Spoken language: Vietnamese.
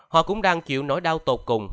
họ cũng đang chịu nỗi đau tột cùng